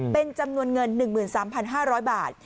เป็นจำนวนเงิน๑๓๕๐๐บาท